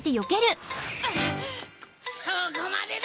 そこまでだ！